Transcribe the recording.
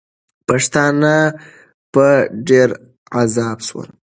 پښتانه په ډېر عذاب سول.